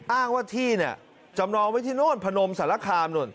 อ้างว่าที่เนี่ยจำนองไว้ที่โน่นพนมสารคามนู่น